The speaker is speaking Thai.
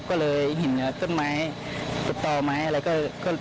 ก็เลยหินเนื้อต้นไม้หรือต่อไม้อะไร